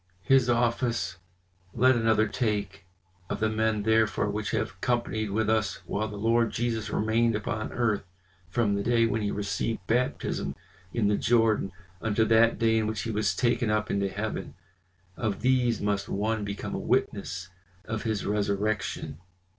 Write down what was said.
His office let another take.' Of the men therefore which have companied with us while the Lord Jesus remained upon earth, from the day when he received baptism in the Jordan, unto that day in which he was taken up into heaven, of these must one become a witness of His resurrection."